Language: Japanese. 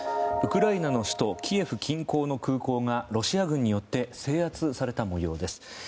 ウクライナの首都キエフ近郊の空港がロシア軍によって制圧された模様です。